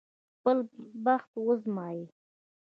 خپل بخت وازمايي.